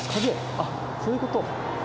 あっそういうこと。